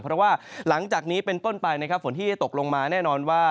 เพราะว่าหลังจากนี้เป็นต้นไปนะครับฝนที่จะตกลงมาแน่นอนว่า